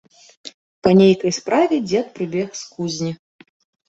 Па нейкай справе дзед прыбег з кузні.